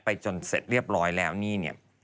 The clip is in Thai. จนเสร็จเรียบร้อยแล้วนี่เนี่ย